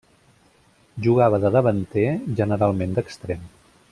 Jugava de davanter, generalment d'extrem.